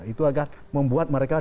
itu agar membuat mereka